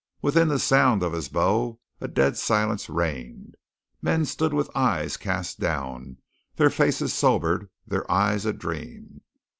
Within the sound of his bow a dead silence reigned. Men stood with eyes cast down, their faces sobered, their eyes adream.